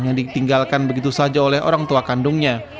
yang ditinggalkan begitu saja oleh orang tua kandungnya